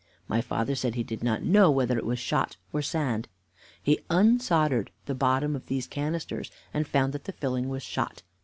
My father said he did not know whether it was shot or sand. He unsoldered the bottom from these canisters, and found that the filling was shot.